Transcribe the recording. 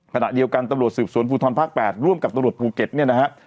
ขณะเดียวกันตลอดสืบสวนฟูทรพ๘ร่วมกับตลอดภูเก็ตเนี่ยนะฮะ